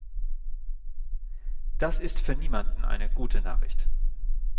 Das ist für niemanden eine gute Nachricht.